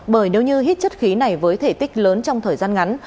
bởi nếu như hít chất khí này với thể tích lớn trong thời gian ngắn